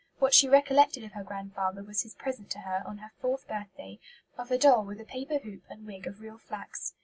What she recollected of her grandfather was his present to her, on her fourth birthday, of "a doll with a paper hoop and wig of real flax."